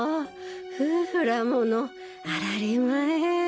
夫婦らものあらひまえ。